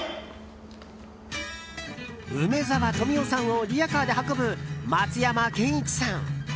梅沢富美男さんをリヤカーで運ぶ松山ケンイチさん。